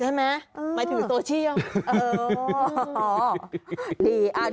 ใช่ไหมและถือโตเชี่ยว